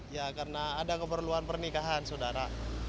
ya karena ada keperluan pernikahan saudara